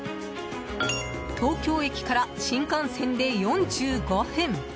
東京駅から新幹線で４５分。